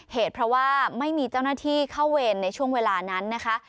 เหตุเพราะว่าไม่มีเจ้าหน้าที่เข้าเวรในช่วงเวลานั้นนะคะ